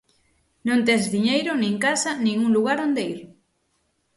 Non tes diñeiro, nin casa, nin un lugar onde ir.